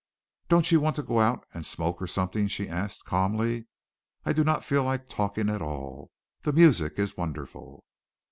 "Don't you want to go out and smoke or something?" she asked calmly. "I do not feel like talking at all. The music is wonderful!"